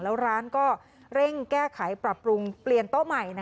แล้วร้านก็เร่งแก้ไขปรับปรุงเปลี่ยนโต๊ะใหม่